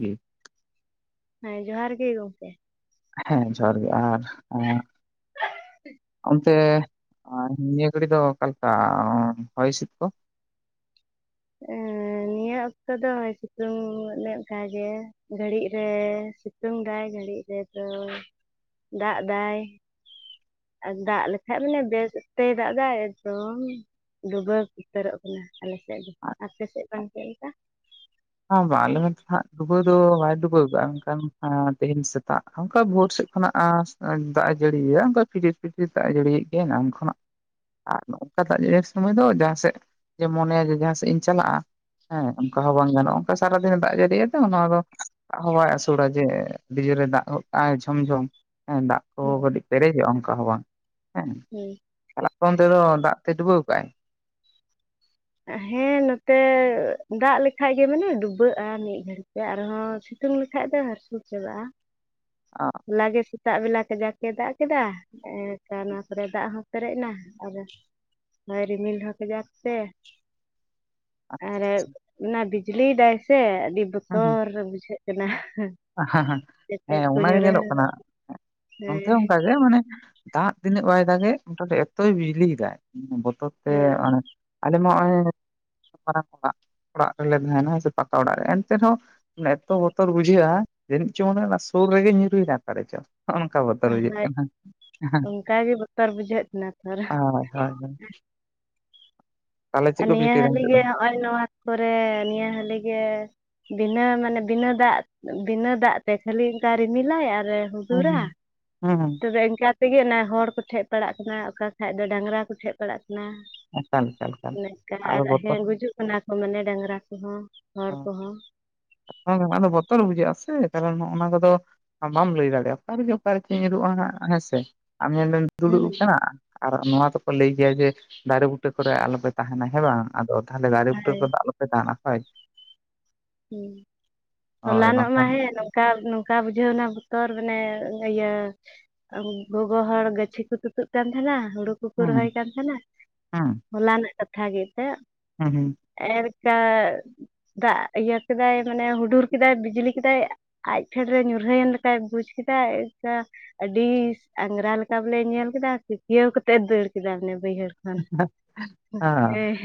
ᱦᱩᱸ ᱦᱮᱸ ᱡᱚᱦᱟᱨ ᱜᱮ ᱜᱚᱝᱠᱮ᱾ ᱦᱮᱸ ᱡᱚᱦᱟᱨ ᱜᱮ, ᱟᱨ ᱚᱱᱛᱮ ᱱᱤᱭᱟᱹ ᱜᱷᱟᱨᱤ ᱫᱚ ᱚᱠᱟᱞᱮᱠᱟ, ᱦᱚᱭ ᱦᱤᱥᱤᱛ ᱠᱚ? ᱟᱸ ᱱᱤᱭᱟᱹ ᱚᱠᱛᱚ ᱫᱚ ᱥᱤᱛᱩᱝ ᱞᱮ ᱚᱱᱮ ᱚᱝᱠᱟ ᱜᱮ᱾ ᱜᱷᱟᱹᱲᱤᱡ ᱨᱮ ᱥᱤᱛᱩᱝ ᱫᱟᱭ ᱜᱷᱟᱹᱲᱤᱡ ᱨᱮᱫᱚ ᱫᱟᱜ ᱫᱟᱭ᱾ ᱟᱨ ᱫᱟᱜ ᱞᱮᱠᱷᱟᱡ ᱢᱟᱱᱮ ᱵᱮᱥᱛᱮᱭ ᱫᱟᱜ ᱮᱫᱟ ᱮᱠᱫᱚᱢ᱾ ᱰᱩᱵᱟᱹᱣ ᱩᱛᱟᱹᱨᱚᱜ ᱠᱟᱱᱟ ᱟᱞᱮ ᱥᱮᱫ ᱫᱚ ᱟᱯᱮ ᱥᱮᱫ ᱵᱟᱝ ᱪᱮᱫᱮ ᱞᱮᱠᱟ? ᱵᱟᱝ ᱵᱟᱝ ᱟᱞᱮ ᱱᱚᱛᱮ ᱦᱟᱜ ᱫᱩᱵᱟᱹᱣ ᱫᱚ ᱵᱟᱭ ᱫᱩᱵᱟᱹᱣᱫᱟ ᱢᱮᱱ ᱠᱷᱟᱱ ᱛᱮᱦᱮᱧ ᱥᱮᱛᱟᱜ ᱚᱱᱠᱟ ᱵᱷᱳᱨ ᱥᱮᱫ ᱠᱷᱚᱱᱟᱜ ᱫᱟᱜ ᱡᱟᱹᱲᱤᱭᱫᱟ ᱚᱱᱠᱟ ᱯᱷᱤᱨ ᱯᱷᱤᱛᱤᱨ ᱫᱟᱜ ᱮ ᱡᱟᱹᱲᱤᱭᱮᱫ ᱜᱮᱭᱟ ᱚᱱᱮ ᱩᱱ ᱠᱷᱚᱱᱟᱜ ᱟᱨ ᱱᱚᱠᱟ ᱫᱟᱜ ᱡᱟᱲᱤ ᱥᱚᱢᱚᱭ ᱫᱚ ᱡᱟᱦᱟᱸ ᱥᱮᱫ ᱢᱚᱱᱮᱭᱟ ᱡᱮ ᱡᱟᱦᱟᱸ ᱥᱮᱫ ᱤᱧ ᱪᱟᱞᱟᱜᱼᱟ ᱦᱮᱸ ᱚᱱᱠᱟ ᱦᱚᱸ ᱵᱟᱝ ᱜᱟᱱᱚᱜᱼᱟ ᱚᱱᱠᱟ ᱥᱟᱨᱟᱫᱤᱱ ᱫᱟᱜ ᱡᱟᱹᱲᱤᱜ ᱟᱛᱚ ᱱᱚᱣᱟ ᱫᱚ, ᱫᱟᱜ ᱦᱚᱸ ᱵᱟᱭ ᱟᱹᱥᱩᱲᱟ ᱡᱮ ᱟᱰᱤ ᱡᱳᱨᱮ ᱫᱟᱜ ᱜᱚᱫ ᱠᱟᱜᱟᱭ ᱡᱷᱚᱢ ᱡᱷᱚᱢ ᱦᱮᱸ ᱫᱟᱜ ᱠᱚ [unintelligible] ᱠᱟᱹᱴᱤᱡ ᱯᱮᱨᱮᱡᱚᱜᱼᱟ ᱚᱱᱠᱟ ᱦᱚᱸ ᱵᱟᱝ, ᱦᱮᱸ [unintelligible] ᱛᱟᱦᱚᱞᱮ ᱯᱮ ᱚᱱ ᱛᱮᱫᱚ ᱫᱟᱜ ᱛᱮ ᱰᱩᱵᱟᱹᱣ ᱟᱠᱟᱟᱜᱼᱟᱭ? ᱦᱮᱸ ᱱᱚᱛᱮ ᱫᱟᱜ ᱞᱮᱠᱷᱟᱡ ᱜᱮ ᱢᱟᱱᱮ ᱰᱩᱵᱟᱹᱜᱼᱟ ᱢᱤᱫ ᱜᱷᱟᱹᱲᱤᱡ ᱛᱮ, ᱟᱨᱦᱚᱸ ᱥᱤᱛᱩᱝ ᱞᱮᱠᱷᱟᱡ ᱫᱚ ᱦᱟᱥᱩᱨ ᱪᱟᱵᱟᱜᱼᱟ᱾ ᱚ ᱦᱚᱞᱟᱜᱮ ᱥᱮᱛᱟᱜ ᱵᱮᱞᱟ ᱠᱟᱡᱟᱠᱮ ᱫᱟᱜ ᱠᱮᱫᱟ᱾ ᱮᱠᱷ ᱚᱱᱟ ᱠᱚᱨᱮ ᱫᱟᱜ ᱦᱚᱸ ᱯᱮᱨᱮᱡ ᱮᱱᱟ ᱟᱫᱚᱭ ᱨᱤᱢᱤᱞ ᱦᱚᱸ ᱠᱟᱡᱟᱠ ᱛᱮ, ᱟᱪᱪᱷᱟ ᱟᱨ ᱟᱪᱪᱷᱟ ᱚᱱᱟ ᱵᱤᱡᱽᱞᱤ ᱫᱟᱭ ᱥᱮ ᱟᱫᱤ ᱦᱮᱸ ᱦᱮᱸ ᱵᱚᱛᱚᱨ ᱵᱚᱛᱚᱨᱚ ᱵᱩᱡᱷᱟᱹᱜ ᱠᱟᱱᱟ᱾ ᱦᱮᱸ ᱦᱮᱸ ᱪᱮᱴᱮᱡ ᱦᱮᱸ ᱠᱚ ᱚᱱᱟᱜᱮ ᱧᱮᱞᱚᱜ ᱠᱟᱱᱟ, ᱧᱩᱨᱦᱟᱹᱜᱚᱜ ᱱᱛᱮ ᱦᱮᱸ ᱚᱱᱠᱟ ᱜᱮ ᱢᱟᱱᱮ ᱫᱟᱜ ᱛᱤᱱᱟᱹᱜ ᱵᱟᱭ ᱫᱟᱜᱮᱜ ᱢᱚᱴᱟᱢᱩᱴᱤ ᱮᱛᱚᱭ ᱵᱤᱡᱽᱞᱤᱭ ᱫᱟᱭ ᱵᱚᱛᱚᱨ ᱛᱮ ᱦᱮᱸ ᱟᱞᱮ ᱢᱟ ᱱᱚᱜᱼᱚᱭᱼᱼ ᱢᱟᱨᱟᱝ ᱚᱲᱟᱜ ᱚᱲᱟᱜ ᱨᱮᱞᱮ ᱛᱟᱦᱮᱱᱟ ᱦᱳᱭ ᱥᱮ ᱯᱟᱠᱟ ᱚᱲᱟᱜ ᱨᱮ, ᱮᱱᱛᱮ ᱨᱮᱦᱚᱸ ᱮᱛᱚ ᱵᱚᱛᱚᱨ ᱵᱩᱡᱷᱟᱹᱜᱼᱟ ᱡᱟᱹᱱᱤᱡ ᱪᱚᱝ ᱚᱱᱮ ᱚᱱᱟ ᱥᱩᱨ ᱨᱮᱜᱮ ᱧᱩᱨᱦᱩᱭᱱᱟ ᱚᱠᱟᱨᱮ ᱪᱚᱝ᱾ ᱱᱚ-ᱱᱚᱝᱠᱟ ᱵᱚᱛᱚᱨ ᱵᱩᱡᱟᱹᱜ ᱟᱨ ᱠᱟᱱᱟ, ᱚᱱᱠᱟ ᱜᱮ ᱵᱚᱛᱚᱨ ᱵᱩᱡᱷᱟᱹᱜ ᱠᱟᱱᱟ ᱛᱷᱚᱨ ᱦᱳᱭ ᱦᱳᱭ ᱦᱳᱭ ᱛᱟᱦᱚᱞᱮ ᱪᱮᱫ ᱠᱚᱯᱮ ᱱᱤᱭᱟᱹ ᱪᱤᱠᱟᱹᱭᱮᱫᱟ ᱦᱟᱹᱞᱤᱜ ᱱᱤᱛᱚᱜ ᱫᱚ? ᱜᱮ ᱱᱚᱜᱼᱚᱭ ᱱᱚᱣᱟ ᱠᱚᱨᱮ ᱱᱤᱭᱟᱹ ᱦᱟᱹᱞᱤ ᱜᱮ ᱵᱤᱱᱟᱹ ᱢᱟᱱᱮ ᱵᱤᱱᱟᱹ ᱫᱟᱜ ᱵᱤᱱᱟᱹ ᱫᱟᱜ ᱛᱮ ᱠᱷᱟᱹᱞᱤ ᱚᱱᱠᱟ ᱨᱤᱢᱤᱞᱟᱭ ᱟᱨᱮ ᱦᱩᱰᱩᱨᱟ ᱦᱩᱸ ᱦᱩᱸ ᱛᱚᱵᱮ ᱮᱱᱠᱟ ᱛᱮᱜᱮ ᱚᱱᱟ ᱦᱚᱲ ᱠᱚᱴᱷᱮᱡ ᱯᱟᱲᱟᱜ ᱠᱟᱱᱟ ᱚᱠᱟ ᱠᱷᱟᱡ ᱫᱚ ᱰᱟᱝᱨᱟ ᱠᱚᱴᱷᱮᱡ ᱯᱟᱲᱟᱜ ᱠᱟᱱᱟ᱾ ᱮᱠᱟᱞ ᱮᱠᱟᱞ ᱮᱠᱟᱞ ᱱᱤᱱᱠᱟ ᱟᱫᱚ ᱟᱨ ᱵᱚᱛᱚᱨ ᱦᱮᱸ ᱜᱩᱡᱩᱜ ᱠᱟᱱᱟ ᱠᱚ ᱢᱟᱱᱮ ᱰᱟᱝᱨᱟ ᱠᱚᱦᱚᱸ ᱦᱚᱲ ᱦᱚᱸ ᱠᱚᱦᱚᱸ, [unintelligible] ᱟᱫᱚ ᱵᱚᱛᱚᱨ ᱵᱩᱡᱷᱟᱹᱜ ᱟ ᱥᱮ ᱠᱟᱨᱚᱱ ᱱᱚᱜ ᱱᱚᱣᱟ ᱠᱚᱫᱚ ᱟᱢ ᱵᱟᱢ ᱞᱟᱹᱭ ᱫᱟᱲᱮᱭᱟᱜᱼᱟ, ᱚᱠᱟᱨᱮ ᱡᱮ ᱚᱠᱟᱨᱮ ᱪᱮᱫ ᱧᱩᱨᱩᱜ-ᱟ ᱦᱟᱸᱜ ᱦᱮᱸᱥᱮ ᱟᱢ ᱧᱮᱞᱢᱮ ᱦᱮᱸ ᱫᱩᱲᱩᱵ ᱟᱠᱟᱱᱟ ᱟᱨ ᱱᱚᱣᱟ ᱫᱚᱠᱚ ᱞᱟᱹᱭ ᱜᱮᱭᱟ ᱡᱮ ᱫᱟᱨᱮ ᱵᱩᱴᱟᱹ ᱠᱚᱨᱮ ᱟᱞᱚᱯᱮ ᱛᱟᱦᱮᱱᱟ ᱦᱮᱸ ᱵᱟᱝ, ᱟᱫᱚ ᱛᱟᱦᱚᱞᱮ ᱫᱟᱨᱮ ᱵᱩᱴᱟᱹ ᱦᱳᱭ ᱠᱚᱫᱚ ᱟᱞᱚᱯᱮ ᱛᱟᱦᱮᱱᱟ ᱦᱳᱭ᱾ ᱦᱩᱸ ᱦᱳᱭ ᱦᱚᱞᱟᱱᱚᱜ ᱢᱟ ᱵᱟᱝᱠᱷᱟᱱ ᱦᱮᱸ ᱠᱟ ᱱᱚᱝᱠᱟ ᱵᱩᱡᱷᱟᱹᱣᱱᱟ ᱵᱚᱛᱚᱨ ᱢᱟᱱᱮ ᱤᱭᱟᱹ ᱜᱚᱜᱚ ᱦᱚᱲ ᱜᱟᱹᱪᱷᱤ ᱠᱚ ᱛᱩᱛᱩᱫ ᱠᱟᱱ ᱛᱟᱦᱮᱱᱟ ᱦᱩᱲᱩ ᱦᱩᱲᱩ ᱠᱚ ᱦᱩᱸ ᱨᱚᱦᱚᱭ ᱠᱟᱱ ᱛᱟᱦᱮᱱᱟ ᱦᱩᱸ ᱦᱚᱞᱟᱱᱟᱜ ᱠᱟᱛᱷᱟ ᱜᱮ [unintelligible] ᱮᱨᱠᱟ ᱫᱟᱜ ᱤᱭᱟᱹ ᱠᱮᱫᱟᱭ ᱢᱟᱱᱮ ᱦᱩᱰᱩᱨ ᱠᱮᱫᱟᱭ ᱵᱤᱡᱽᱞᱤ ᱠᱮᱫᱟᱭ ᱟᱡ ᱯᱷᱷᱮᱰᱨᱮ ᱧᱩᱨᱦᱟᱹᱭᱮᱱ ᱞᱮᱠᱟᱭ ᱵᱩᱡ ᱠᱮᱫᱟᱭ ᱥᱮ ᱟᱹᱰᱤ ᱟᱸᱜᱨᱟ ᱞᱮᱠᱟ ᱵᱚᱞᱮ ᱧᱮᱞ ᱠᱮᱫᱟ ᱠᱤᱠᱤᱭᱟᱹᱣ ᱠᱟᱛᱮᱫ ᱫᱟᱹᱲ ᱠᱮᱫᱟ ᱵᱟᱹᱭᱦᱟᱹᱲ ᱦᱮᱸ ᱦᱮᱸ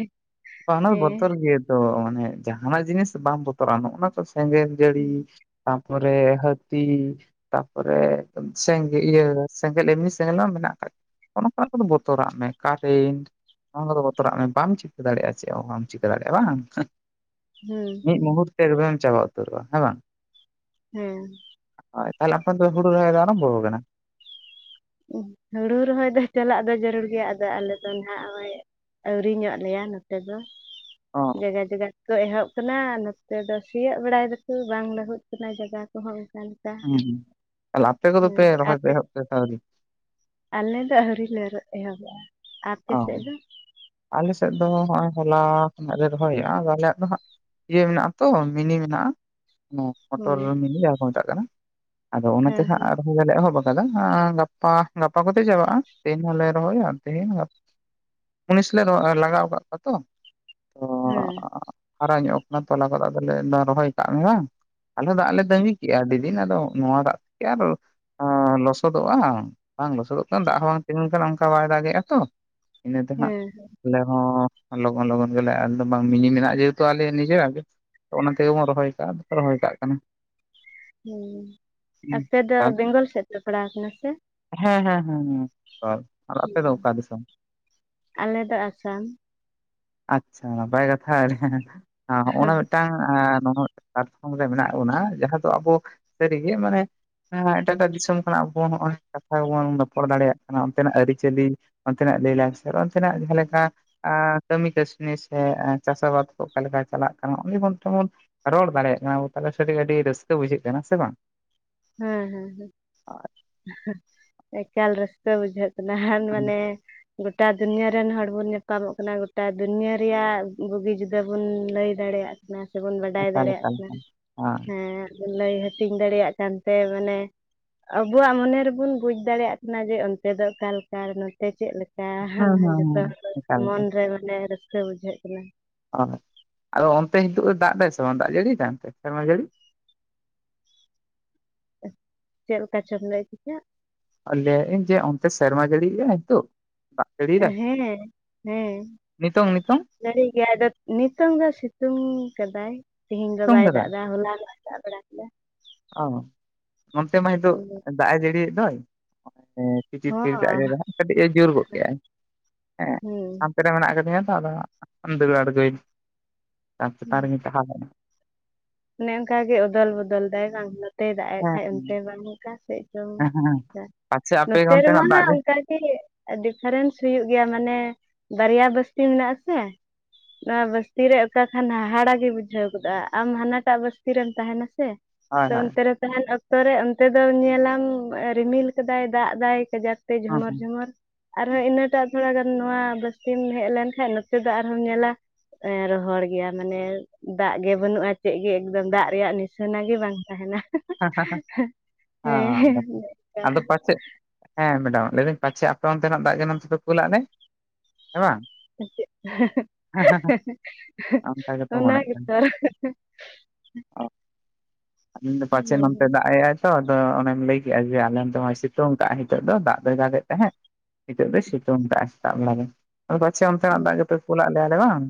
ᱵᱚᱛᱚᱨ ᱜᱮ ᱛᱚ ᱢᱟᱱᱮ ᱡᱟᱦᱟᱱᱟᱜ ᱡᱤᱱᱤᱥ ᱵᱟᱢ ᱵᱚᱛᱚᱨᱚᱜᱼᱟ ᱱᱚᱜᱼᱚᱱᱟ ᱛᱚ ᱥᱮᱸᱜᱮᱞ ᱡᱟᱹᱲᱤ, ᱛᱟᱯᱚᱨᱮ ᱦᱟᱛᱤ, ᱛᱟᱯᱚᱨᱮ ᱥᱮᱸᱜᱮᱞ ᱤᱭᱟᱹ ᱥᱮᱸᱜᱮᱞ ᱮᱢᱱᱤ ᱥᱮᱸᱜᱮᱞ ᱢᱟ ᱢᱮᱱᱟᱜ ᱟᱠᱟᱫ ᱚᱱᱠᱟᱱᱟᱜ ᱠᱚᱫᱚ ᱵᱚᱛᱚᱨᱟᱜ ᱢᱮ ᱠᱟᱨᱮᱱᱴ ᱚᱱᱟ ᱠᱚᱫᱚ ᱵᱚᱛᱚᱨᱟᱜ ᱢᱮ ᱵᱟᱢ ᱪᱤᱠᱟᱹ ᱪᱤᱠᱟᱹ ᱫᱟᱲᱮᱭᱟᱜᱼᱟ ᱪᱮᱫ ᱦᱚᱸ ᱵᱟᱢ ᱪᱤᱠᱟᱹ ᱫᱟᱲᱮᱭᱟᱜᱼᱟ ᱵᱟᱝ ᱦᱩᱸ ᱢᱤᱫ ᱦᱩᱸ ᱢᱩᱦᱩᱨ ᱛᱮ ᱮᱠᱫᱚᱢᱮᱢ ᱪᱟᱵᱟ ᱩᱛᱟᱹᱨᱚᱜᱼᱟ ᱦᱮᱸ ᱵᱟᱝ? ᱦᱮᱸ᱾ ᱦᱚᱭ ᱛᱟᱦᱚᱞᱮ ᱟᱯᱮ ᱚᱱᱛᱮ ᱫᱚ ᱦᱩᱲᱩ ᱨᱚᱦᱚᱭ ᱫᱚ ᱟᱨᱚᱢᱵᱚ ᱠᱟᱱᱟ? ᱦᱩᱲᱩ ᱨᱚᱦᱚᱭ ᱫᱚ ᱪᱟᱞᱟᱜ ᱫᱚ ᱡᱟᱹᱨᱩᱲ ᱜᱮᱭᱟ, ᱟᱫᱚ ᱟᱞᱮ ᱫᱚ ᱱᱟ ᱦᱟᱸᱜ ᱱᱚᱜ-ᱚᱭ ᱟᱹᱣᱨᱤ ᱧᱚᱜ ᱞᱮᱭᱟ ᱱᱚᱛᱮ ᱫᱚ ᱚ ᱡᱟᱜᱟ ᱡᱟᱜᱟ ᱠᱚ ᱮᱦᱚᱵ ᱠᱟᱱᱟ ᱱᱚᱛᱮ ᱫᱚ ᱥᱤᱭᱳᱜ ᱵᱟᱲᱟᱭ ᱫᱟᱠᱩ ᱵᱟᱝ ᱞᱟᱹᱦᱩᱫ ᱠᱟᱱᱟ ᱡᱟᱭᱜᱟ ᱠᱚᱦᱚᱸ ᱚᱱᱠᱟᱱ᱾ ᱦᱩᱸ ᱦᱩᱸ ᱛᱟᱦᱚᱞᱮ ᱟᱯᱮ ᱠᱚᱫᱚ ᱯᱮ ᱨᱚᱦᱚᱭ ᱯᱮ ᱟᱯᱮ ᱮᱦᱚᱵ ᱠᱮᱫᱟ ᱥᱮ ᱟᱹᱣᱨᱤ? ᱟᱞᱮ ᱫᱚ ᱟᱹᱣᱨᱤ ᱞᱮ ᱮᱦᱚᱵᱚᱜᱼᱟ, ᱟᱯᱮ ᱚ ᱥᱮᱫ ᱫᱚ? ᱟᱞᱮ ᱥᱮᱫ ᱫᱚ ᱦᱚᱜᱼᱚᱭ ᱦᱚᱞᱟ ᱠᱷᱱᱟᱜ ᱞᱮ ᱨᱚᱦᱚᱭᱮᱫ ᱟ ᱟᱫᱚ ᱟᱞᱮᱭᱟᱜ ᱫᱚ ᱦᱟᱸᱜᱼᱼ ᱤᱭᱟᱹ ᱢᱮᱱᱟᱜ-ᱟ ᱛᱚ ᱢᱤᱱᱤ ᱢᱮᱱᱟᱜᱼᱟ᱾ ᱢᱚᱴᱚᱨ ᱦᱮᱸ ᱢᱤᱱᱤ ᱡᱟᱦᱟᱸ ᱠᱚ ᱢᱮᱛᱟᱜ ᱠᱟᱱᱟ ᱟᱫᱚ ᱚᱱᱟᱛᱮ ᱦᱮᱸ ᱦᱟᱸᱜ [unintelligible] ᱮᱦᱚᱵ ᱟᱠᱟᱫᱟ ᱟᱸ ᱜᱟᱯᱟ ᱜᱟᱯᱟ ᱠᱚᱛᱮ ᱪᱟᱵᱟᱜᱼᱟ, ᱛᱮᱦᱮᱧ ᱦᱚᱸᱞᱮ ᱨᱚᱦᱚᱭᱟ ᱛᱤᱦᱤᱧ ᱜᱟᱯᱼᱼ ᱢᱩᱱᱤᱥ ᱞᱮ ᱨᱚ ᱞᱟᱜᱟᱣ ᱟᱠᱟᱫ ᱠᱚᱣᱟ ᱛᱚ ᱛᱚᱼᱼ ᱦᱮᱸ᱾ ᱦᱟᱨᱟ ᱧᱚᱜ ᱠᱟᱱᱟ ᱛᱚᱞᱟ ᱠᱚᱫᱚ ᱟᱫᱚ ᱞᱮ ᱨᱚᱦᱚᱭ ᱠᱟᱜ ᱢᱮ ᱵᱟᱝ᱾ ᱟᱞᱮ ᱫᱟᱜ ᱞᱮ ᱛᱟᱹᱜᱤ ᱠᱮᱜᱼᱟ ᱟᱹᱰᱤ ᱫᱤᱱ ᱟᱫᱚ ᱱᱚᱣᱟ ᱫᱟᱜ ᱛᱮᱠᱤ ᱟᱨᱼᱼ ᱚ ᱞᱚᱥᱚᱫᱚᱜᱼᱟ, ᱵᱟᱝ ᱞᱚᱥᱚᱫᱚᱜᱼᱼ ᱫᱟᱜ ᱦᱚᱸ ᱵᱟᱝ ᱛᱤᱸᱜᱩ ᱞᱮᱱᱠᱷᱟᱱ ᱚᱱᱠᱟ ᱵᱟᱭ ᱫᱟᱜᱮᱜᱼᱟ ᱛᱚ, ᱤᱱᱟᱹᱛᱮ ᱦᱟᱸᱜᱼᱼ ᱦᱮᱸ ᱟᱞᱮ ᱦᱚᱸ ᱞᱚᱜᱚᱱ ᱞᱚᱜᱚᱱ ᱜᱮᱞᱮ ᱟᱞᱮ ᱫᱚ ᱵᱟᱝ ᱢᱤᱱᱤ ᱢᱮᱱᱟᱜᱼᱟ ᱡᱮᱦᱮᱛᱩ ᱟᱞᱮ ᱱᱤᱡᱮᱨᱟᱜ ᱜᱮ᱾ ᱚᱱᱟ ᱛᱮᱜᱮ ᱵᱚᱱ ᱨᱚᱦᱚᱭ ᱠᱟᱜᱼᱟ, ᱨᱚᱦᱚᱭ ᱠᱟᱜ ᱠᱟᱱᱟ᱾ ᱦᱮᱸ ᱟᱯᱮ ᱫᱚ ᱛᱟᱦᱚᱞᱮ ᱵᱮᱝᱜᱚᱞ ᱥᱮᱫ ᱯᱮ ᱯᱟᱲᱟᱣ ᱟᱠᱟᱱᱟ ᱥᱮ? ᱦᱮᱸ ᱦᱮᱸ ᱦᱮᱸ ᱦᱮ [unintelligible] ᱟᱞᱮ ᱫᱚ ᱟᱥᱟᱢ᱾ ᱟᱪᱪᱷᱟ ᱱᱟᱯᱟᱭ ᱠᱟᱛᱷᱟ ᱦᱚ ᱚᱱᱟᱼᱼ ᱢᱤᱫᱴᱟᱝ ᱱᱚᱣᱟ ᱯᱞᱟᱴ ᱯᱷᱚᱢ ᱨᱮ ᱢᱮᱱᱟᱜ ᱵᱚᱱᱟ ᱡᱟᱦᱟᱸ ᱫᱚ ᱟᱵᱚ ᱥᱟᱹᱨᱤ ᱜᱮ ᱢᱟᱱᱮᱼᱼ ᱮᱴᱟᱜ ᱮᱴᱟᱜ ᱫᱤᱥᱚᱢ ᱠᱷᱚᱱᱟᱜ ᱟᱵᱚ ᱦᱚᱸᱜᱼᱚᱭ ᱠᱟᱛᱷᱟ ᱵᱚᱱ ᱨᱚᱯᱚᱲ ᱫᱟᱲᱮᱭᱟᱜ ᱠᱟᱱᱟ, ᱚᱱᱛᱮᱱᱟᱜ ᱟᱹᱨᱤᱪᱟᱹᱞᱤᱼᱼ ᱚᱱᱛᱮᱱᱟᱜ ᱞᱟᱹᱭᱼᱞᱟᱠᱪᱟᱨ ᱚᱱᱛᱮᱱᱟᱜ ᱡᱟᱦᱟᱸ ᱞᱮᱠᱟᱼᱼ ᱟ ᱠᱟᱹᱢᱤ ᱠᱟᱹᱥᱱᱤ ᱥᱮ ᱪᱟᱥ ᱟᱵᱟᱫ ᱚᱠᱟᱞᱮᱠᱟᱭ ᱪᱟᱞᱟᱜ ᱠᱟᱱᱟ [unintelligible] ᱨᱚᱲ ᱫᱟᱲᱮᱭᱟᱜ ᱠᱟᱱᱟ ᱵᱚ ᱛᱟᱦᱚᱞᱮ ᱟᱹᱰᱤ ᱨᱟᱹᱥᱠᱟᱹ ᱵᱩᱡᱷᱟᱹᱜ ᱠᱟᱱᱟ ᱥᱮ ᱵᱟᱝ? ᱦᱮᱸ ᱦᱮᱸ ᱦᱮᱸ ᱮᱠᱟᱞ ᱨᱟᱹᱥᱠᱟᱹ ᱵᱩᱡᱷᱟᱹᱜ᱾ ᱱᱟᱦᱟᱱ ᱢᱟᱱᱮᱼᱼ ᱜᱚᱴᱟ ᱫᱩᱱᱭᱟᱹ ᱨᱮᱱ ᱦᱚᱲ ᱵᱚᱱ ᱧᱟᱯᱟᱢᱚᱜ ᱠᱟᱱᱟ ᱜᱚᱴᱟ ᱫᱩᱱᱭᱟᱹ ᱨᱮᱭᱟᱜ ᱵᱩᱜᱤ ᱡᱩᱫᱟᱹ ᱵᱚᱱ ᱞᱟᱹᱭ ᱫᱟᱲᱮᱭᱟᱜᱼᱼ ᱥᱮ ᱵᱚᱱ ᱵᱟᱰᱟᱭ ᱮᱠᱟᱞ ᱫᱟᱲᱮᱭᱟᱜ ᱮᱠᱟᱞ ᱮᱠᱟᱞ ᱦᱮᱸ ᱠᱟᱱᱟ ᱦᱮᱸ ᱞᱟᱹᱭ ᱦᱟᱹᱴᱤᱧ ᱫᱟᱲᱮᱭᱟᱜ ᱠᱟᱱᱛᱮ ᱢᱟᱱᱮᱼᱼ ᱟᱵᱩᱣᱟᱜ ᱢᱚᱱᱮ ᱨᱮᱵᱚᱱ ᱵᱩᱡ ᱫᱟᱲᱮᱭᱟᱜ ᱠᱟᱱᱟ ᱡᱮ ᱚᱱᱛᱮ ᱫᱚ ᱚᱠᱟᱞᱮᱠᱟ, ᱱᱚᱛᱮ ᱪᱮᱫ ᱞᱮᱼᱼ ᱦᱮᱸ ᱦᱮᱸ [unintelligible] ᱡᱚᱛᱚ ᱦᱮᱸ ᱦᱚᱲ ᱮᱠᱟᱞ ᱜᱮ ᱢᱚᱱ ᱨᱮ ᱢᱟᱱᱮ ᱨᱟᱹᱥᱠᱟᱹ ᱵᱩᱡᱷᱟᱹᱜ ᱠᱟᱱᱟ᱾ ᱚ ᱟᱫᱚ ᱚᱱᱛᱮ ᱦᱤᱛᱳᱜ ᱮ ᱫᱟᱜ ᱫᱟᱭ ᱥᱮ ᱵᱟᱝ ᱫᱟᱜ ᱡᱟᱹᱲᱤᱭᱮᱫᱟᱭ ᱚᱱᱛᱮ ᱥᱮᱨᱢᱟ ᱡᱟᱹᱲᱤ? ᱪᱮᱫ ᱞᱮᱠᱟ ᱪᱚᱢ ᱞᱟᱹᱭ ᱠᱤᱫᱟ? ᱞᱟᱹᱭᱮᱜ ᱟᱹᱧ ᱡᱮ ᱚᱱᱛᱮ ᱥᱮᱨᱢᱟ ᱡᱟᱹᱲᱤᱭᱮᱜᱼᱟᱭ ᱦᱤᱛᱳᱜ? ᱫᱟᱜ ᱥᱟᱹᱲᱤ ᱭᱮᱫᱟᱭ ᱦᱮᱸ ᱱᱤᱛᱚᱝ ᱱᱤᱛᱚᱝ? ᱡᱟᱹᱲᱤ ᱜᱮᱭᱟᱭ ᱟᱫᱚ ᱱᱤᱛᱚᱝ ᱫᱚ ᱥᱤᱛᱩᱝ ᱠᱟᱫᱟᱭ ᱛᱦᱮᱧ ᱫᱚ ᱥᱤᱛᱩᱝ ᱵᱟᱭ ᱫᱟᱜ ᱠᱟᱫᱟᱭ ᱮᱫᱟ ᱦᱚᱞᱟᱼᱼ ᱫᱟᱜ ᱵᱟᱲᱟ ᱠᱮᱭᱟ᱾ ᱚ ᱱᱚᱱᱛᱮ ᱢᱟ ᱦᱤᱛᱳᱜ ᱫᱟᱜ ᱮ ᱡᱟᱹᱲᱤᱭᱮᱫ ᱫᱚᱭᱼᱼ ᱦᱚᱸ [unintelligible] ᱫᱟᱜ ᱮ ᱡᱚᱨᱚᱭ ᱫᱟ ᱠᱟᱹᱴᱤᱡᱼᱮ ᱡᱳᱨ ᱜᱚᱫ ᱠᱮᱜ ᱟᱭ ᱦᱮᱸᱼᱼ ᱦᱩᱸ ᱪᱷᱟᱫᱨᱮ ᱢᱮᱱᱟᱜ ᱟᱠᱟᱫᱤᱧᱟ ᱛᱚ ᱟᱫᱚ ᱫᱟᱹᱲᱹ ᱟᱲᱜᱳᱭᱮᱱᱟᱹᱧ ᱪᱷᱟᱫ ᱪᱮᱛᱟᱱ ᱦᱩᱸ, ᱨᱮᱜᱤᱧ ᱛᱟᱦᱮᱸ ᱠᱟᱱᱟ᱾ ᱚᱱᱮ ᱚᱱᱠᱟ ᱜᱮ ᱚᱫᱚᱞ ᱵᱚᱫᱚᱞ ᱫᱟᱭ ᱵᱟᱝ ᱱᱚᱛᱮᱭ ᱫᱟᱜ ᱮᱫ ᱦᱮᱸ ᱠᱷᱟᱱ ᱚᱱᱛᱮ ᱵᱟᱝ ᱚᱠᱟ ᱥᱮᱫ ᱪᱚᱼᱼ ᱦᱮᱸ ᱦᱮᱸ ᱯᱟᱪᱷᱮ ᱟᱯᱮ ᱱᱚᱛᱮ ᱨᱮ ᱢᱟ ᱚᱱᱛᱮᱱᱟᱜ ᱫᱟᱜ ᱦᱟᱜ ᱡᱟᱹᱲᱤ ᱚᱱᱠᱟᱼᱼ ᱰᱤᱯᱷᱟᱨᱮᱱᱥ ᱦᱩᱭᱩᱜ ᱜᱮᱭᱟ ᱢᱟᱱᱮ ᱵᱟᱨᱭᱟ ᱵᱚᱥᱛᱤ ᱢᱮᱱᱟᱜ ᱟᱥᱮᱼᱼ ᱱᱚᱣᱟ ᱵᱟᱥᱛᱤ ᱨᱮ ᱚᱠᱟ ᱠᱷᱟᱱ ᱦᱟᱦᱟᱲᱟ ᱜᱮ ᱵᱩᱡᱷᱟᱹᱣ ᱜᱚᱫᱚᱜᱼᱟ, ᱟᱢ ᱦᱟᱱᱟᱼᱼ ᱴᱟᱜ ᱵᱟᱥᱛᱤ ᱨᱮᱢ ᱛᱟᱦᱮᱸᱱᱟ ᱥᱮ ᱦᱳᱭ ᱛᱚ ᱦᱳᱭ ᱚᱱᱛᱮ ᱨᱮᱼᱼ ᱛᱟᱦᱮᱱ ᱚᱠᱛᱚ ᱨᱮ ᱚᱱᱛᱮ ᱫᱚ ᱧᱮᱞᱟᱢ ᱨᱤᱢᱤᱞ ᱠᱟᱫᱟᱭ ᱫᱟᱜ ᱫᱟᱭ ᱠᱟᱡᱟᱠ᱾ ᱛᱮ ᱦᱮᱸ ᱡᱷᱢᱚᱨ ᱡᱷᱢᱚᱨ ᱟᱨᱦᱚᱸ ᱤᱱᱟᱹᱴᱟᱜ ᱛᱷᱚᱲᱟ ᱜᱟᱱ ᱱᱚᱣᱟ ᱵᱥᱛᱤᱢ ᱦᱮᱡ ᱞᱮᱱᱠᱷᱟᱱ ᱱᱚᱛᱮ ᱫᱚ ᱟᱨᱦᱢ ᱧᱮᱞᱟ ᱮ ᱨᱚᱦᱚᱲ ᱜᱮᱭᱟ ᱢᱟᱱᱮ ᱫᱟᱜ ᱜᱮ ᱵᱟᱹᱱᱩᱜᱼᱟ᱾ ᱪᱮᱫ ᱜᱮ ᱮᱠᱫᱚᱢ ᱫᱟᱜ ᱨᱮᱭᱟᱜ ᱱᱤᱥᱟᱱᱟ ᱜᱮ ᱵᱟᱝ ᱛᱟᱦᱮᱱᱟ᱾ [unintelligible] ᱦᱮᱸ ᱟᱫᱚ ᱯᱟᱪᱮᱫ ᱦᱮᱸ ᱢᱮᱰᱟᱢ ᱞᱟᱹᱭᱫᱟᱹᱧ ᱯᱟᱪᱷᱮ ᱟᱯᱮ ᱚᱱᱛᱮᱱᱟᱜ ᱫᱟᱜ ᱜᱮ ᱱᱚᱛᱮᱯᱮ ᱠᱩᱞᱟᱜ ᱞᱮ ᱦᱮᱸ ᱵᱟᱝ, [inaudible] ᱚᱱᱠᱟ ᱜᱮᱛᱚ ᱚᱱᱟ ᱢᱟᱲᱮᱜ ᱠᱟᱱᱟ᱾ ᱜᱮᱛᱚ [unintelligible] ᱯᱟᱪᱮᱫ ᱱᱚᱝᱛᱮ ᱫᱟᱜ ᱮᱭᱟᱭ ᱛᱚ ᱟᱫᱚ ᱚᱱᱮᱢ ᱞᱟᱹᱭᱠᱮᱫ ᱡᱮ ᱟᱞᱮᱱᱚᱛᱮ ᱥᱤᱛᱩᱝ ᱠᱟᱭ ᱱᱤᱛᱚᱜ ᱫᱚ ᱫᱟᱜ ᱫᱚᱭ ᱫᱟᱜᱮᱭᱛ ᱛᱟᱦᱮᱛ᱾ ᱱᱤᱛᱚᱜ ᱫᱚᱭ ᱥᱤᱛᱩᱝ ᱠᱟᱟᱜ ᱥᱮᱛᱟᱜ ᱵᱮᱲᱟ ᱫᱚ, ᱯᱟᱪᱷᱮ ᱚᱱᱛᱮ ᱱᱟᱜ ᱫᱟᱜ ᱜᱮᱯᱮ ᱠᱩᱞᱟᱫ ᱞᱮᱭᱟ ᱵᱟᱝ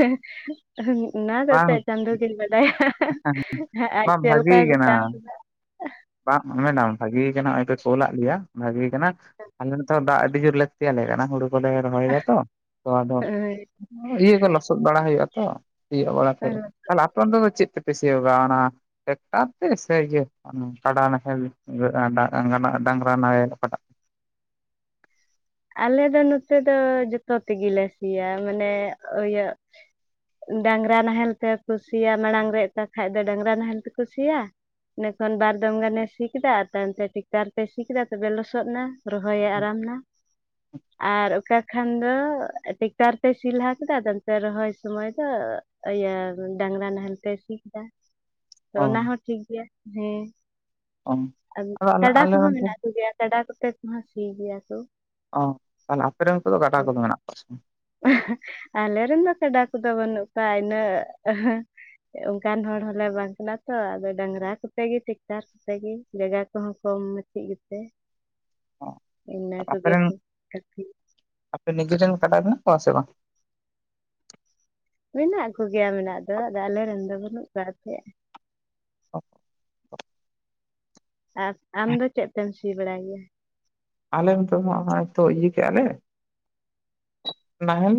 [inaudible] ᱚᱱᱟ ᱫᱚ ᱵᱟᱝ ᱱᱛᱮ ᱪᱟᱸᱫᱚ ᱜᱤᱧ ᱵᱟᱰᱟᱭᱟ᱾ ᱟᱡ ᱵᱟᱝ ᱪᱮᱫ ᱵᱷᱟᱜᱤ ᱞᱮᱠᱟᱭ ᱠᱟᱱᱟ ᱜᱚᱴᱟ ᱠᱟᱫᱟ [inaudible] ᱞᱮᱭᱟ ᱵᱷᱟᱜᱮ ᱠᱟᱱᱟ ᱟᱞᱮ ᱱᱚᱛᱮ ᱫᱟᱜ ᱟᱹᱰᱤ ᱡᱳᱨ ᱞᱮ ᱠᱟᱱᱟ ᱦᱩᱲᱩ ᱠᱚᱞᱮ ᱨᱚᱦᱚᱭ ᱫᱟ ᱛᱚ ᱟᱫᱚ ᱦᱮᱸ ᱤᱭᱟᱹ ᱠᱚ ᱞᱚᱥᱚᱫ ᱵᱟᱲᱟ ᱦᱩᱭᱩᱜᱼᱟ ᱛᱚ᱾ ᱥᱤᱭᱜ ᱵᱟᱲᱟ ᱠᱚ ᱦᱮᱸ, ᱛᱟᱦᱚᱞᱮ ᱟᱯᱮ ᱫᱚ ᱪᱮᱫ ᱛᱮᱯᱮ ᱥᱤᱭᱳᱚᱜᱼᱟ ᱚᱱᱟ ᱴᱮᱠᱴᱟᱨ ᱛᱮ ᱥᱮ ᱤᱭᱟᱹ ᱠᱟᱰᱟ ᱱᱟᱦᱮᱞ ᱰᱟᱝᱨᱟ ᱱᱟᱦᱮᱞ ᱚᱠᱟ ᱢᱟ? ᱟᱞᱮ ᱫᱚ ᱱᱚᱛᱮ ᱫᱚ ᱡᱚᱛᱚ ᱛᱮᱜᱮᱞᱮ ᱥᱤᱭᱟ, ᱢᱟᱱᱮ ᱤᱭᱟᱹ ᱰᱟᱝᱨᱟ ᱱᱟᱦᱮᱞ ᱯᱮ ᱠᱩᱥᱤᱭᱟ ᱢᱟᱲᱟᱝ ᱨᱮ ᱛ ᱠᱷᱟᱱᱡ ᱫᱚ ᱰᱟᱝᱨᱟ ᱱᱟᱦᱮᱞ ᱯᱮ ᱠᱩᱥᱤᱭᱟᱜ, ᱤᱱᱟᱹᱠᱷᱚᱱ ᱵᱟᱨ ᱫᱚᱢ ᱜᱟᱱᱮ ᱥᱤ ᱠᱮᱫᱟ ᱟᱨ ᱛᱟᱭᱚᱢᱛᱮ ᱴᱮᱠᱴᱟᱨ ᱛᱮ ᱥᱤ ᱠᱮᱫᱟ ᱛᱚᱵᱮ ᱞᱚᱥᱚᱫ ᱮᱱᱟ᱾ ᱨᱚᱦᱚᱭᱮ ᱟᱨᱟᱢ ᱮᱱᱟ᱾ ᱟᱨ ᱚᱠᱟ ᱠᱷᱟᱱ ᱫᱚ ᱴᱮᱠᱴᱟᱨ ᱛᱮ ᱥᱤ ᱞᱟᱦᱟ ᱠᱮᱫᱟ ᱟᱫᱚ ᱚᱱᱛᱮ ᱨᱚᱦᱚᱭ ᱥᱚᱢᱚᱭ ᱫᱚ ᱤᱭᱟᱹ ᱰᱟᱝᱨᱟ ᱱᱟᱦᱮᱞ ᱛᱮ ᱥᱤ ᱠᱮᱫᱟ᱾ [inaudible] ᱟᱫᱚ ᱚᱱᱟ ᱦᱚᱸ ᱴᱷᱤᱠ ᱜᱮᱭᱟ ᱦᱮᱸ ᱚ ᱟᱨ ᱟᱫᱚ ᱟᱞᱮ ᱠᱟᱰᱟ ᱟᱞᱮ ᱠᱚᱦᱚᱸ ᱱᱚᱛᱮ ᱢᱮᱱᱟᱜ ᱠᱚᱜᱮᱭᱟ᱾ ᱠᱟᱰᱟ ᱠᱟᱛᱮ ᱠᱚᱦᱚᱸ ᱥᱤ ᱜᱮᱭᱟ ᱠᱚ᱾ ᱚ ᱛᱟᱦᱞᱮ ᱟᱯᱮ ᱨᱮᱱ ᱠᱚᱫᱚ ᱠᱟᱰᱟ ᱠᱚᱫᱚ ᱢᱮᱱᱟᱜ ᱠᱚᱣᱟ ᱥᱮ ᱵᱟᱝ? ᱟᱞᱮ ᱨᱮᱱ ᱫᱚ ᱠᱟᱰᱟ ᱠᱚᱫᱚ ᱵᱟᱹᱱᱩᱜ ᱠᱚᱣᱟ ᱤᱱᱟᱹᱜ ᱚᱱᱠᱟᱱ ᱦᱚᱲ ᱦᱚᱞᱮ ᱵᱟᱝ ᱠᱟᱱᱟ ᱛᱚ ᱟᱫᱚ ᱰᱟᱝᱨᱟ ᱠᱚᱛᱮ ᱜᱮ ᱴᱮᱠᱴᱟᱨ ᱥᱮᱸᱜᱮ ᱡᱟᱜᱟ ᱠᱚᱦᱚᱸ ᱠᱚᱢ [inaudible] ᱜᱮᱛᱮ ᱚ ᱟᱯᱮᱨᱮᱱ [unintelligible] ᱟᱯᱮ ᱱᱤᱡᱮᱨᱮᱱ ᱠᱟᱰᱟ ᱢᱮᱱᱟ ᱠᱚᱣᱟᱜ ᱥᱮ ᱵᱟᱝ? ᱢᱮᱱᱟᱜ ᱠᱚᱜᱮᱭᱟ ᱢᱮᱱᱟᱜ ᱫᱚ ᱟᱫᱚ ᱟᱞᱮᱨᱮᱱ ᱫᱚ ᱵᱟᱹᱱᱩᱜ ᱠᱚᱣᱟ ᱛᱟᱦᱮᱸᱫ᱾ [unintelligible] ᱟᱨ ᱟᱢ ᱫᱚ ᱪᱮᱫ ᱛᱮᱢ ᱥᱤ ᱵᱟᱲᱟᱭ ᱜᱮᱭᱟ? ᱟᱞᱮ ᱦᱚᱸᱛᱳ ᱦᱟᱸᱜ ᱱᱚᱜ-ᱚᱭ ᱛᱚ ᱤᱭᱟᱹ ᱠᱮᱫᱼᱟ ᱞᱮ ᱱᱟᱦᱮᱞ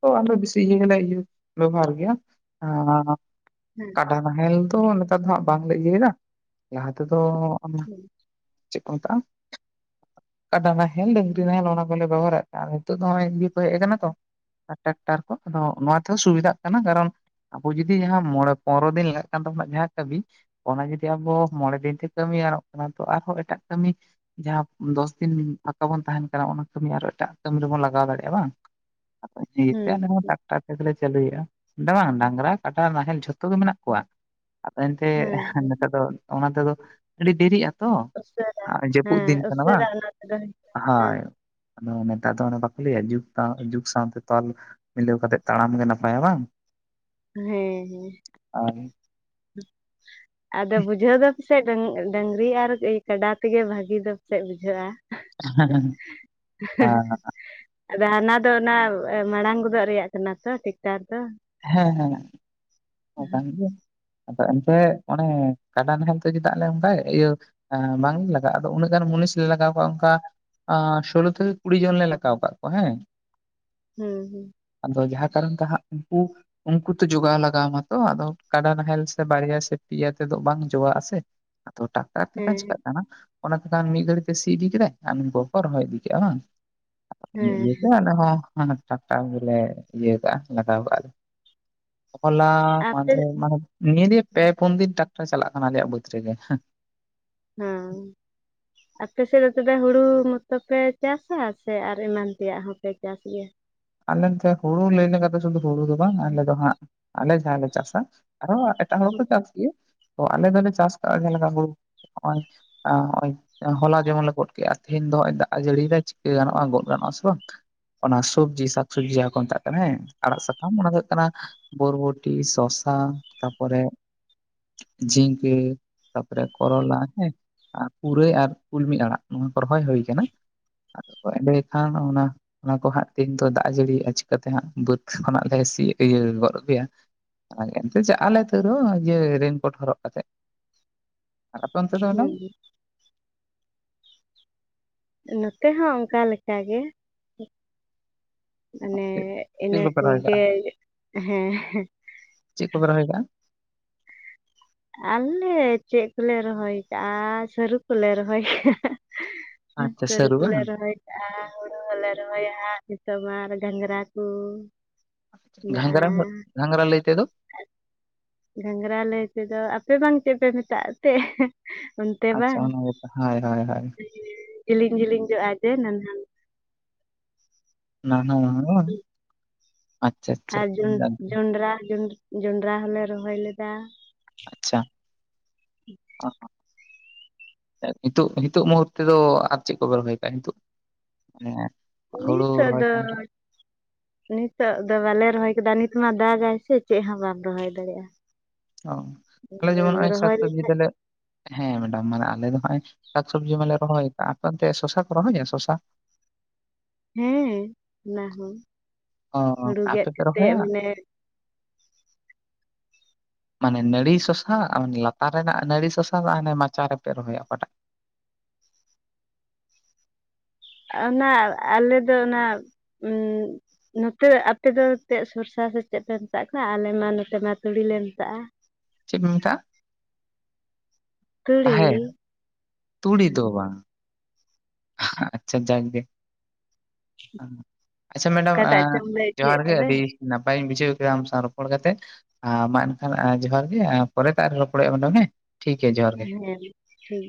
ᱛᱚ ᱟᱞᱮ ᱵᱮᱥᱤ ᱤᱭᱟᱹ ᱜᱮᱞᱮ ᱵᱮᱵᱚᱦᱟᱨ ᱜᱮᱭᱟ, [unintelligible] [unintelligible] ᱠᱟᱲᱟ ᱱᱟᱦᱮᱞ ᱫᱚ ᱱᱮᱛᱟᱨ ᱫᱚ ᱦᱟᱸᱜ ᱵᱟᱝᱞᱮ ᱤᱭᱟᱹᱭᱟ ᱞᱟᱦᱟ ᱛᱮᱫᱚ ᱦᱮᱸ ᱪᱮᱫ ᱠᱚ ᱢᱮᱛᱟᱜᱼᱟ? ᱠᱟᱰᱟ ᱱᱟᱦᱮᱞ ᱰᱟᱹᱝᱨᱤ ᱱᱟᱦᱮᱞ ᱚᱱᱟ ᱠᱚᱞᱮ ᱵᱮᱵᱚᱦᱟᱨᱮᱫ ᱛᱟᱦᱮᱸ ᱱᱤᱛᱚᱜ ᱫᱚ ᱱᱚᱜᱼᱚᱭ ᱤᱭᱟᱹ ᱠᱚ ᱦᱮᱡ ᱟᱠᱟᱱᱟ ᱛᱚ, ᱴᱨᱟᱠᱴᱟᱨ ᱠᱚ ᱟᱫᱚ ᱱᱚᱣᱟ ᱛᱮᱦᱚᱸ ᱥᱩᱵᱤᱫᱷᱟᱜ ᱠᱟᱱᱟ, ᱠᱟᱨᱚᱱ ᱟᱵᱚ ᱡᱩᱚᱫᱤ ᱡᱟᱦᱟᱸ ᱢᱚᱬᱮ ᱯᱚᱱᱮᱨᱚ ᱫᱤᱱ ᱞᱟᱜᱟᱜ ᱠᱟᱱ ᱛᱟᱵᱚᱱᱟ ᱡᱟᱦᱟᱸ ᱠᱟᱹᱢᱤ ᱚᱱᱟ ᱡᱩᱫᱤ ᱟᱵᱚ ᱢᱚᱬᱮ ᱫᱤᱱᱛᱮ ᱠᱟᱹᱢᱤ ᱜᱟᱱᱚᱜ ᱠᱟᱱᱟ ᱛᱚ ᱟᱨᱦᱚᱸ ᱮᱴᱟᱜ ᱠᱟᱹᱢᱤ ᱡᱟᱦᱟᱸ ᱫᱚᱥ ᱫᱤᱱ ᱯᱷᱟᱠᱟ ᱵᱚᱱ ᱛᱟᱦᱮᱱ ᱠᱟᱱᱟ ᱚᱱᱟ ᱠᱟᱹᱢᱤ ᱟᱨᱚ ᱮᱴᱟᱜ ᱠᱟᱹᱢᱤ ᱨᱮᱵᱚᱱ ᱞᱟᱜᱟᱣ ᱫᱟᱲᱮᱭᱟᱜᱼᱟ ᱵᱟᱝ᱾ [unintelligible] ᱟᱞᱮᱦᱚᱸ ᱴᱟᱠᱴᱟᱨ ᱞᱮ ᱪᱟᱹᱞᱩᱭᱮᱜᱼᱟ ᱵᱟᱝ ᱰᱟᱝᱨᱟ ᱠᱟᱰᱟ ᱱᱟᱦᱮᱞ ᱡᱷᱚᱛᱚ ᱜᱮ ᱢᱮᱱᱟᱜ ᱠᱚᱣᱟ᱾ ᱨᱟ ᱛᱟᱭᱚᱢ ᱛᱮ ᱦᱮᱸ ᱱᱮᱛᱟᱨ ᱫᱚ ᱚᱱᱟ ᱛᱮᱫᱚ ᱟᱹᱰᱤ ᱫᱮᱨᱤᱜ ᱟᱛᱚ ᱩᱥᱟᱹᱨᱟ ᱡᱟᱹᱯᱩᱫ ᱦᱮᱸ ᱫᱤᱱ ᱠᱟᱱᱟ ᱩᱥᱟᱹᱨᱟ ᱵᱟᱝ, [unintelligible] ᱦᱳᱸᱭ ᱟᱫᱚ ᱱᱮᱛᱟᱨ ᱫᱚ ᱚᱱᱮ ᱵᱟᱠᱚ ᱞᱟᱹᱭᱟ ᱡᱩᱜᱽ ᱥᱟᱶ ᱡᱩᱜᱽ ᱥᱟᱶᱛᱮ ᱛᱚᱞᱼ ᱢᱤᱞᱟᱹᱣ ᱠᱟᱛᱮᱜ ᱛᱟᱲᱟᱢ ᱜᱮ ᱱᱟᱯᱟᱭᱟ ᱵᱟᱝ? ᱦᱮᱸ ᱦᱮᱸ ᱟᱨ [inaudible] [inaudible] ᱟᱫᱚ ᱵᱩᱡᱷᱟᱹᱣ ᱫᱚ ᱯᱟᱥᱮᱜ ᱰᱟ. ᱝ ᱰᱟᱹᱝᱨᱤ ᱟᱨ ᱠᱟᱰᱟ ᱛᱮᱜᱮ ᱵᱷᱟᱹᱜᱤ ᱫᱚ ᱯᱟᱥᱮᱫ ᱵᱩᱡᱷᱟᱹᱜᱼᱟ᱾ ᱟᱨ [unintelligible] ᱟᱫᱚ ᱦᱟᱱᱟ ᱫᱚ ᱚᱱᱟ ᱢᱟᱲᱟᱝ ᱜᱚᱫᱚᱜ ᱨᱮᱭᱟᱜ ᱠᱟᱱᱟ ᱛᱚ ᱴᱮᱠᱴᱟᱨ ᱫᱚ᱾ ᱦᱮᱸ ᱦᱮᱸ ᱦᱮᱸ ᱠᱟᱱ ᱜᱮᱭᱟ᱾ ᱟᱫᱚ ᱮᱱᱛᱮᱫ ᱚᱱᱮ ᱠᱟᱰᱟ ᱱᱟᱦᱮᱞ ᱛᱮ ᱪᱮᱫᱟᱜ ᱞᱮ ᱚᱱᱠᱟᱭᱮᱫ ᱤᱭᱟᱹᱼ ᱵᱟᱝᱞᱮ ᱞᱟᱜᱟᱜᱼᱟ ᱟᱫᱚ ᱩᱱᱟᱹᱜ ᱜᱟᱱ ᱢᱩᱱᱤᱥ ᱞᱮ ᱞᱟᱜᱟᱣ ᱠᱚᱣᱟ ᱚᱱᱠᱟ ᱥᱳᱞᱳ ᱛᱮᱠᱮ ᱠᱩᱲᱤ ᱡᱚᱱ ᱞᱮ ᱞᱟᱜᱟᱣ ᱠᱟᱫ ᱠᱚᱣᱟ ᱦᱮᱸ ᱦᱩᱸ ᱦᱩᱸ ᱟᱫᱚ ᱡᱟᱦᱟᱸ ᱠᱟᱨᱚᱱ ᱛᱮ ᱦᱟᱸᱜ ᱩᱱᱠᱩ ᱩᱱᱠᱩ ᱛᱚ ᱡᱚᱜᱟᱣ ᱞᱟᱜᱟᱣ ᱟᱢᱟᱛᱚ ᱟᱫᱚ ᱠᱟᱰᱟ ᱱᱟᱦᱮᱞ ᱥᱮ ᱵᱟᱨᱭᱟ ᱥᱮ ᱯᱮᱭᱟ ᱛᱮᱫᱚ ᱵᱟᱝ ᱡᱚᱜᱟᱜ ᱟᱥᱮ ᱟᱛᱚ ᱴᱟ ᱟᱨ ᱛᱮᱠᱷᱚᱱ ᱦᱮᱸ ᱪᱤᱠᱟᱹᱜ ᱠᱟᱱᱟ ᱚᱱᱟᱛᱮᱠᱷᱟᱱ ᱢᱤᱫ ᱜᱷᱲᱤᱛᱮ ᱥᱤ ᱤᱫᱤ ᱠᱮᱫᱟᱭ ᱟᱨ ᱱᱩᱠᱩ ᱫᱚᱸᱠᱚ ᱨᱚᱦᱚᱭ ᱤᱫᱤ ᱠᱮᱜᱼᱟ ᱵᱟᱝ? [unintelligible] ᱤᱱᱟᱹ ᱦᱮᱸ ᱤᱭᱟᱹᱛᱮ ᱟᱞᱮ ᱦᱚᱸ ᱢᱟᱱᱮ ᱴᱟᱠᱴᱟᱨ ᱜᱮᱞᱮ ᱤᱭᱟᱹ ᱦᱟᱠᱟᱜᱼᱟ ᱞᱟᱜᱟᱣ ᱟᱠᱟᱜᱼᱟᱞᱮ ᱦᱚᱞᱟ ᱟᱯᱮ ᱢᱟᱦᱫᱷᱮᱨ ᱚᱱᱟ ᱦᱚᱸ ᱱᱤᱭᱟᱹ ᱞᱤᱭᱮ ᱯᱮ ᱯᱩᱱ ᱫᱤᱱ ᱴᱟᱠᱴᱟᱨ ᱪᱟᱞᱟᱜ ᱠᱟᱱᱟ ᱟᱞᱮᱭᱟᱜ ᱵᱟᱹᱫᱽ ᱨᱮᱜᱮ ᱦᱮᱸᱜ ᱦᱮᱸ [inaudible] ᱟᱯᱮ ᱥᱮᱫ ᱫᱚ ᱫᱚ ᱛᱚᱵᱮ ᱦᱩᱲᱩ ᱢᱚᱛᱚ ᱯᱮ ᱪᱟᱥᱟ ᱥᱮ ᱟᱨ ᱮᱢᱟᱱ ᱛᱮᱭᱟᱜ ᱦᱚᱸᱯᱮ ᱪᱟᱥ ᱜᱮᱭᱟ? ᱟᱞᱮ ᱛᱮ ᱦᱩᱲᱩ ᱞᱟᱹᱭ ᱞᱮᱠᱟ ᱫᱚ ᱥᱩᱫᱩ ᱦᱩᱲᱩ ᱫᱚ ᱵᱟᱝ ᱟᱞᱮ ᱫᱚ ᱦᱟᱸᱜ ᱟᱞᱮ ᱡᱟᱦᱟᱸ ᱞᱮ ᱪᱟᱥᱟ ᱟᱨᱦᱚᱸ ᱮᱴᱟᱜ ᱦᱚᱲ ᱦᱠᱚ ᱪᱟᱥ ᱜᱮᱭᱟ ᱛᱚ ᱟᱞᱮ ᱫᱚᱞᱮ ᱪᱟᱥ ᱠᱟᱜ-ᱟ ᱡᱮᱞᱠᱟ [unintelligible] ᱱᱚᱜ ᱚᱭ ᱟ ᱦᱚᱸᱜ ᱚᱭ ᱦᱚᱞᱟ ᱡᱮᱢᱚᱱ ᱞᱮ ᱜᱚᱫ ᱠᱮᱜ-ᱟ ᱛᱮᱦᱮᱱ ᱫᱚ ᱦᱚᱜᱚᱭ ᱫᱟᱜ ᱮ ᱡᱟᱹᱲᱤᱭ ᱫᱟ ᱪᱤᱠᱟᱹ ᱜᱟᱱᱚᱜ-ᱟ ᱜᱚᱫ ᱜᱟᱱᱚᱜ-ᱟ ᱥᱮ ᱵᱟᱝ? ᱚᱱᱟ ᱥᱚᱵᱽᱡᱤ ᱥᱟᱠ ᱥᱚᱵᱽᱡᱤ ᱡᱟᱦᱟᱸ ᱠᱚ ᱢᱮᱛᱟᱜ ᱠᱟᱱᱟ ᱦᱮᱸ ᱟᱲᱟᱜ ᱥᱟᱠᱟᱢ ᱚᱱᱟ ᱫᱚ ᱦᱩᱭᱩᱜ ᱠᱟᱱᱟ ᱵᱚᱨ ᱵᱚᱴᱤ ᱥᱚᱥᱟ ᱛᱟᱯᱚᱨᱮ ᱡᱷᱤᱸᱜᱟᱹ ᱛᱟᱯᱚᱨᱮ ᱠᱚᱨᱚᱞᱟ ᱦᱮᱸ᱾ ᱯᱩᱨᱟᱹᱭ ᱟᱨ ᱠᱩᱞᱢᱤ ᱟᱲᱟᱜ ᱱᱚᱶᱟ ᱠᱚ ᱨᱚᱦᱚᱭ ᱦᱩᱭ ᱟᱠᱟᱱᱟ ᱟᱫᱚ ᱮᱸᱰᱮ ᱠᱷᱟᱱ ᱚᱱᱟ ᱚᱱᱟ ᱠᱚ ᱦᱟᱸᱜ ᱛᱤᱦᱤᱱ ᱫᱚ ᱫᱟᱜ ᱟᱜ ᱡᱟᱹᱲᱤ ᱭᱮᱜ-ᱟ ᱪᱤᱠᱟᱹ ᱛᱮ ᱦᱟᱸᱜ ᱵᱟᱹᱫᱽ ᱠᱷᱚᱱᱟᱜ ᱞᱮ ᱥᱤ ᱤᱭᱟᱹ ᱜᱚᱫ ᱟᱹᱜᱩᱭᱟ᱾ [unintelligible] ᱪᱟᱜ ᱟᱞᱮ ᱛᱟᱹᱣ ᱨᱮᱦᱚ ᱨᱮᱱ ᱠᱳᱴ ᱦᱚᱨᱚᱜ ᱠᱟᱛᱮᱫ ᱟᱨ ᱟᱯᱮ ᱚᱱᱛᱮ ᱫᱚ ᱟᱫᱚ ᱦᱩᱸ ᱱᱚᱛᱮ ᱦᱚᱸ ᱚᱝᱠᱟ ᱞᱮᱠᱟ ᱜᱮ᱾ ᱢᱟᱱᱮ ᱪᱮᱫ ᱪᱮᱫ ᱤᱱᱟᱹ ᱠᱚᱯᱮ ᱨᱚᱦᱚᱭ ᱠᱟᱜᱼᱟ ᱠᱩᱜᱮ ᱦᱮᱸ᱾ ᱪᱮᱫ ᱠᱚᱯᱮ ᱨᱚᱦᱚᱭ ᱟᱠᱟᱜ-ᱟ? ᱟᱞᱮ ᱪᱮᱫ ᱠᱚᱞᱮ ᱨᱚᱦᱚᱭ ᱠᱟᱜ-ᱟ ᱥᱟᱹᱨᱩ ᱠᱚᱞᱮ ᱨᱚᱦᱚᱭ ᱠᱟᱜ-ᱟ᱾ ᱟᱪᱪᱷᱟ ᱥᱟᱹᱨᱩ ᱠᱚᱞᱮ ᱵᱟᱝ ᱨᱚᱦᱚᱭᱼ ᱟᱨ ᱦᱩᱲᱩ ᱦᱚᱞᱮ ᱨᱚᱦᱚᱭᱟ ᱱᱤᱛᱳ ᱢᱟ ᱟᱨ ᱜᱷᱟᱸᱝᱜᱽᱨᱟ ᱠᱩ᱾ ᱜᱷᱟᱝᱨᱟ ᱜᱷᱟᱝᱨᱟ ᱞᱟᱹᱭ ᱛᱮ ᱫᱚ? ᱜᱷᱟᱝᱽᱨᱟ ᱞᱟᱹᱭ ᱛᱮ ᱫᱚ ᱟᱯᱮ ᱵᱟᱝ ᱪᱮᱫ ᱯᱮ ᱢᱮᱛᱟᱜ ᱮᱱᱛᱮ? ᱚᱱᱛᱮ ᱟᱪᱪᱷᱟ ᱵᱟᱝ ᱚᱱᱟ ᱜᱮᱛᱚ ᱦᱳᱭ ᱦᱳᱭ ᱦᱳᱭ ᱡᱤᱞᱤᱧ ᱡᱤᱞᱤᱧ ᱡᱚᱜ-ᱟ ᱡᱮ ᱱᱟᱱᱦᱟᱼ ᱱᱟᱱᱦᱟ ᱱᱟᱱᱦᱟ ᱵᱟᱝ? ᱟᱪᱪᱷᱟ ᱟᱪᱪᱷᱟ ᱟᱨ ᱡᱚᱱ ᱡᱚᱱᱰᱨᱟ ᱡᱚᱱᱰᱨᱟ ᱦᱚᱞᱮ ᱨᱚᱦᱚᱭ ᱞᱮᱫᱟ᱾ ᱟᱪᱪᱷᱟ᱾ ᱱᱤᱛᱳᱜ ᱱᱤᱛᱳᱜ ᱢᱩᱦᱩᱨᱛᱮ ᱫᱚ ᱟᱨ ᱪᱮᱫ ᱠᱚ ᱯᱮ ᱨᱚᱦᱚᱭ ᱠᱟᱜ-ᱟ ᱱᱤᱛᱳᱜ? ᱦᱮᱸ ᱦᱩᱲᱩ ᱨᱚᱭ ᱱᱤᱛᱳᱜ ᱫᱚ ᱵᱟᱞᱮ ᱨᱚᱦᱚᱭ ᱠᱮᱫᱟ ᱱᱤᱛ ᱢᱟ ᱫᱟᱜᱟᱭ ᱥᱮ ᱪᱮᱫ ᱦᱚᱸ ᱵᱟᱢ ᱨᱚᱦᱚᱭ ᱫᱟᱲᱮᱭᱟ-ᱟ᱾ ᱚ ᱟᱞᱮ ᱡᱮᱢᱚᱱ ᱱᱚᱜᱼᱚᱭ ᱥᱟᱠ ᱨᱚᱦᱚᱭ ᱥᱚᱵᱡᱤ ᱞᱮᱠᱷᱟᱡ ᱫᱚᱞᱮ ᱦᱮᱸ ᱢᱮᱰᱟᱢ ᱢᱟᱱᱮ ᱟᱞᱮ ᱫᱚ ᱦᱚᱜᱼᱚᱭ ᱥᱟᱠ ᱥᱚᱵᱡᱤ ᱢᱟᱞᱮ ᱨᱚᱦᱚᱭ ᱠᱟᱜᱼᱟ, ᱟᱯᱮ ᱚᱱᱛᱮ ᱥᱚᱥᱟ ᱠᱚ ᱨᱚᱦᱚᱭᱟ ᱥᱚᱥᱟ? ᱦᱮᱸ ᱚᱱᱟ ᱦᱚᱸ᱾ ᱚ ᱦᱩᱲᱩ ᱜᱮᱫ ᱟᱯᱮ ᱯᱮ ᱠᱟᱛᱮᱫ ᱨᱚᱦᱚᱭᱟ? ᱢᱟᱱᱮ ᱢᱟᱱᱮ ᱱᱟᱹᱲᱤ ᱥᱚᱥᱟ ᱞᱟᱛᱟᱨ ᱨᱮᱱᱟᱜ ᱱᱟᱹᱲᱤ ᱥᱚᱥᱟ ᱫᱚ ᱦᱟᱱᱮ ᱢᱟᱪᱟ ᱨᱮᱯᱮ ᱨᱚᱦᱚᱭᱟ ᱚᱠᱟᱴᱟᱜ? ᱚᱱᱟ ᱟᱞᱮ ᱫᱚ ᱚᱱᱟ [inaudible] ᱱᱚᱛᱮ ᱟᱯᱮ ᱫᱚ ᱛᱮᱜ ᱥᱚᱨᱥᱟ ᱥᱮ ᱪᱮᱫ ᱯᱮ ᱢᱮᱛᱟᱜ ᱠᱟᱱᱟ, ᱟᱞᱮ ᱢᱟ ᱱᱚᱛᱮ ᱢᱟ ᱛᱩᱲᱤ ᱞᱮ ᱢᱮᱛᱟᱜᱼᱟ᱾ ᱪᱮᱜ ᱯᱮ ᱢᱮᱛᱟᱜᱼᱟ? ᱛᱩᱲᱤ ᱛᱟᱦᱮ ᱛᱩᱲᱤ ᱫᱚ ᱵᱟᱝ᱾ ᱟᱪᱪᱷᱟ ᱡᱟᱠ ᱜᱮ᱾ ᱟᱪᱷᱟ ᱢᱮᱰᱟᱢ ᱚᱠᱟᱴᱟᱜ ᱮᱸ ᱪᱚᱢ ᱞᱟᱹᱭ ᱡᱚᱦᱟᱨ ᱦᱚᱪᱚᱭᱮᱫ ᱜᱮ ᱛᱚᱵᱮ ᱟᱹᱰᱤ ᱱᱟᱯᱟᱭᱤᱧ ᱵᱩᱡᱷᱟᱹᱣ ᱠᱮᱫᱟ ᱟᱢ ᱥᱟᱶ ᱨᱚᱯᱚᱲ ᱠᱟᱛᱮᱫ᱾ ᱟ ᱢᱟ ᱮᱱᱠᱷᱟᱱ ᱡᱚᱦᱟᱨ ᱜᱮ ᱮᱸ ᱯᱚᱨᱮ ᱛᱮ ᱟᱨᱚ ᱨᱚᱯᱚᱲ ᱦᱳᱭᱳᱜᱼᱟ ᱢᱮᱰᱟᱢ ᱦᱮᱸ᱾ ᱴᱷᱤᱠ ᱜᱮᱭᱟ ᱡᱚᱦᱟᱨ ᱜᱮ᱾ ᱦᱮᱸ ᱴᱷᱤᱠ ᱜᱮᱭᱟ᱾